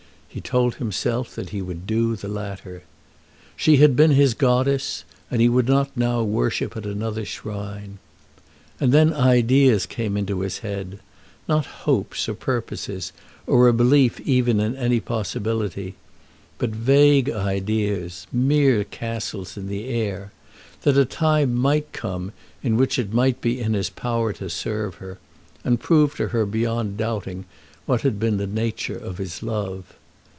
He told himself that he would do the latter. She had been his goddess, and he would not now worship at another shrine. And then ideas came into his head, not hopes, or purposes, or a belief even in any possibility, but vague ideas, mere castles in the air, that a time might come in which it might be in his power to serve her, and to prove to her beyond doubting what had been the nature of his love.